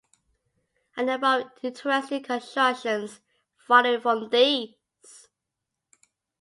A number of interesting constructions follow from these.